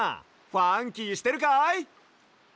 ファンキーしてるかい？